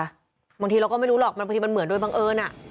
บางทีเราก็ไม่รู้หรอกบางทีมันเหมือนโดยบังเอิญ